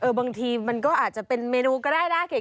บางทีมันก็อาจจะเป็นเมนูก็ได้นะ